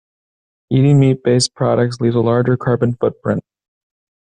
Eating meat based products leaves a larger carbon foot print.